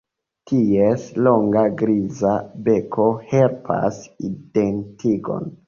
Ties longa griza beko helpas identigon.